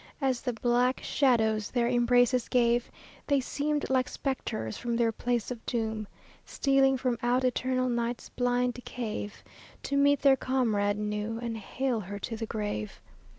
As the black shadows their embraces gave They seemed like spectres from their place of doom. Stealing from out eternal night's blind cave, To meet their comrade new, and hail her to the grave.